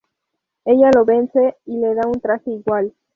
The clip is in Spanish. Ella lo vence y le da un traje igual.